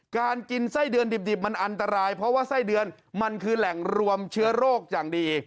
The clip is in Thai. การกินไส้เดือนดิบมันอันตรายเพราะว่าไส้เดือนมันคือแหล่งรวมเชื้อโรคอย่างดี